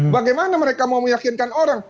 bagaimana mereka mau meyakinkan orang